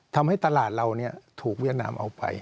ทำให้ตลาดเราถูกเวียดนามเอาไป